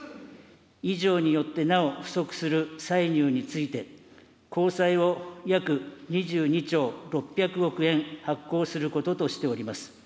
以上によってなお不足する歳入について、公債を約２２兆６００億円発行することとしております。